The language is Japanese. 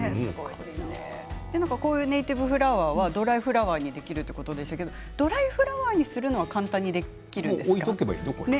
こういうネイティブフラワーはドライフラワーにできるということでしたけれどもドライフラワーにするのは簡単にできるんですか？